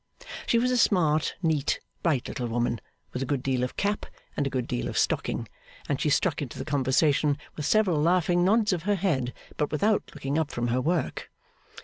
She was a smart, neat, bright little woman, with a good deal of cap and a good deal of stocking, and she struck into the conversation with several laughing nods of her head, but without looking up from her work.